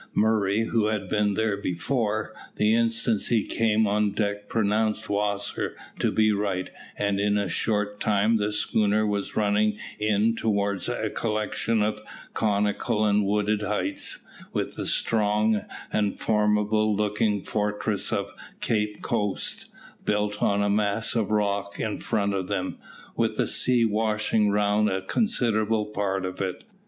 Murray, who had been there before, the instant he came on deck pronounced Wasser to be right, and in a short time the schooner was running in towards a collection of conical and wooded heights, with the strong and formidable looking fortress of Cape Coast, built on a mass of rock, in front of them, with the sea washing round a considerable part of it.